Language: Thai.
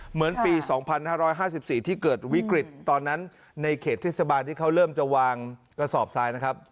เหมือนปีสองพันห้าร้อยห้าสิบสี่ที่เกิดวิกฤตตอนนั้นในเขตทศบาลที่เขาเริ่มจะวางกระสอบทรายนะครับ